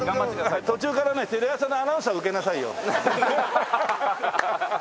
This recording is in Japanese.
途中からねテレ朝のアナウンサー受けなさいよ。